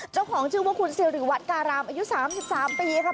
เจ้าของชื่อว่าคุณศิลป์หรือวัดการามอายุ๓๓ปีครับ